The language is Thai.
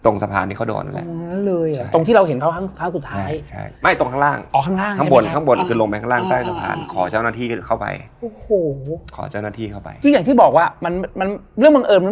นั่นคือทั้ง๓เหตุการณ์